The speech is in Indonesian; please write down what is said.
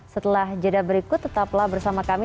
setelah jeda berikut tetaplah bersama kami